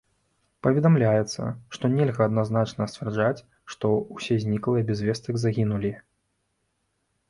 Паведамляецца, што нельга адназначна сцвярджаць, што ўсе зніклыя без вестак загінулі.